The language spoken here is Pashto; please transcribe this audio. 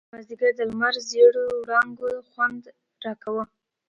ان د مازديګر د لمر زېړو وړانګو خوند راکاوه.